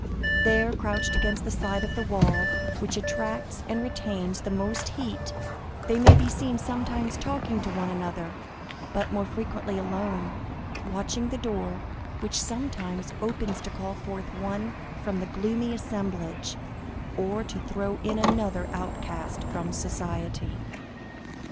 There, crouched against the side of the wall which attracts and retains the most heat, they may be seen sometimes talking to one another, but more frequently alone, watching the door, which sometimes opens to call forth one from the gloomy assemblage, or to throw in another outcast from society.